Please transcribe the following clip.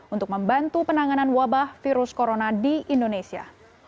untuk membantu penanganan wabah virus corona di indonesia